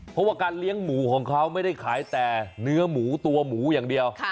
เพราะว่าการเลี้ยงหมูของเขาไม่ได้ขายแต่เนื้อหมูตัวหมูอย่างเดียว